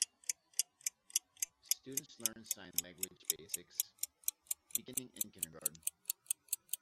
Students learn sigh language basics beginning in kindergarten.